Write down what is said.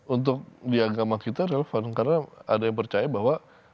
untuk di agama kita relevan karena ada yang percaya bahwa